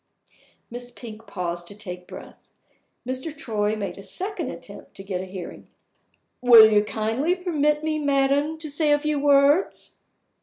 Miss Pink paused to take breath. Mr. Troy made a second attempt to get a hearing. "Will you kindly permit me, madam, to say a few words?"